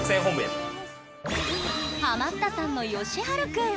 ハマったさんのよしはるくん。